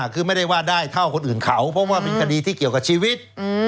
คือไม่ได้ว่าได้เท่าคนอื่นเขาเพราะว่าเป็นคดีที่เกี่ยวกับชีวิต